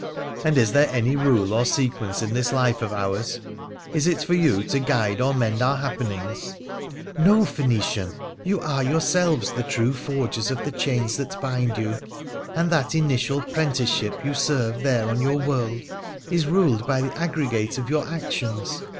' And is there any rule or sequence in this life of ours — is it for you to guide or mend our happenings ?'' No, Phoenician ! You are yourselves the true forgers of the chains that bind you, and that initial 'prenticeship you serve there on your world is ruled by the aggregate of your actions.